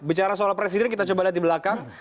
bicara soal presiden kita coba lihat di belakang